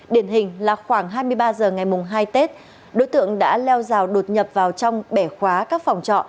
điển hình là khoảng hai mươi ba h ngày hai tết đối tượng đã leo rào đột nhập vào trong bẻ khóa các phòng trọ